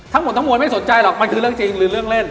ทั้งหมดทั้งมวลไม่สนใจหรอกมันคือเรื่องจริงหรือเรื่องเล่น